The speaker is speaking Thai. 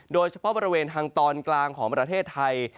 โดยเฉพาะบริเวณทางตอนกลางของประเทศไทย